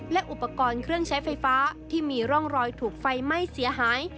และอุปกรณ์เครื่องใช้ไฟฟ้าที่มีร่องรอยถูกไฟไหม้เสียหาย